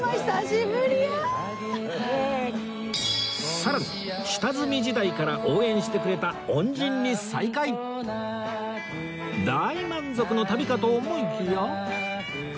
さらに下積み時代から応援してくれた大満足の旅かと思いきや